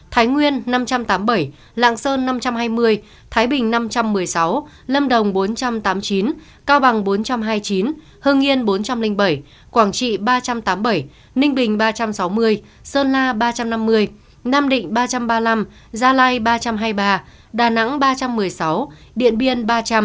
thái nguyên năm trăm tám mươi bảy lạng sơn năm trăm hai mươi thái bình năm trăm một mươi sáu lâm đồng bốn trăm tám mươi chín cao bằng bốn trăm hai mươi chín hương yên bốn trăm linh bảy quảng trị ba trăm tám mươi bảy ninh bình ba trăm sáu mươi sơn la ba trăm năm mươi nam định ba trăm ba mươi năm gia lai ba trăm hai mươi ba đà nẵng ba trăm một mươi sáu điện biên ba trăm linh